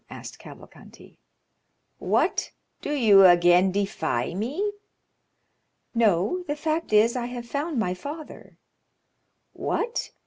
asked Cavalcanti. "What? do you again defy me?" "No; the fact is, I have found my father." "What?